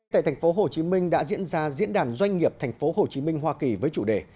tại tp hcm đã diễn ra diễn đàn doanh nghiệp tp hcm hoa kỳ với chủ đề